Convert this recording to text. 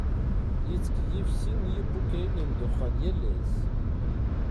Yettkeyyif sin n yipukay n ddexxan yal ass.